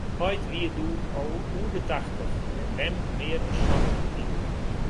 Heit wie doe oer de tachtich en mem mear as santich jier.